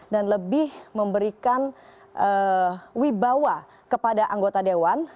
dan lebih memberikan wibawa kepada anggota dewan